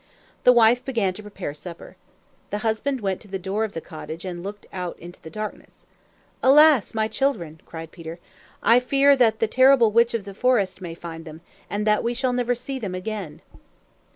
The wife began to prepare supper. The husband went to the door of the cottage and looked out into the darkness. "Alas, my children!" cried Peter. "I fear that the terrible Witch of the Forest may find them, and that we shall never see them again!"